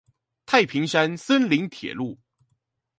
太平山森林鐵路